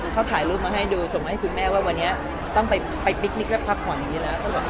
เขาถ่ายรูปมาให้ดูส่งมาให้คุณแม่ว่าวันนี้ต้องไปพิคนิคและพักผ่อนอย่างนี้แล้ว